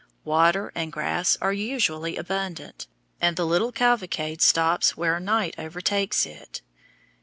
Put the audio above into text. Water and grass are usually abundant, and the little cavalcade stops where night overtakes it.